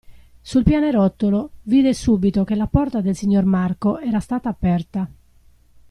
Sul pianerottolo, vide subito che la porta del signor Marco era stata aperta.